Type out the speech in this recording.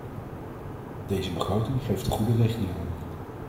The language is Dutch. Deze begroting geeft de goede richting aan.